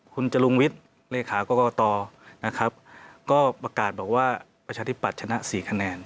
คุณจรุงวิทย์เลขากรกตนะครับก็ประกาศบอกว่าประชาธิปัตย์ชนะ๔คะแนน